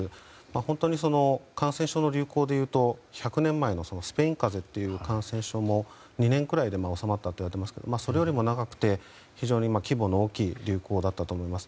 本当に感染症の流行でいうと１００年前のスペイン風邪というものの流行も２年くらいで収まったといわれていますがそれよりも長くて非常に規模の大きい流行だったと思います。